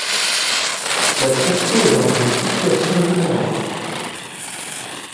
La Turquie est dans une situation différente.